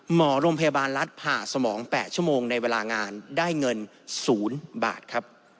หมอโรงพยาบาลรัฐผ่าสมอง๘ชั่วโมงในเวลางานได้เงิน๐บาทครับ